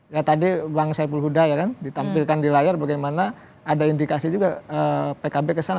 ya tadi bang saiful huda ya kan ditampilkan di layar bagaimana ada indikasi juga pkb kesana